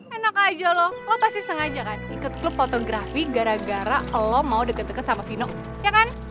enak aja lo pasti sengaja kan ikut klub fotografi gara gara lo mau deket deket sama vino ya kan